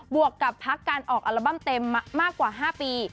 วกกับพักการออกอัลบั้มเต็มมากกว่า๕ปี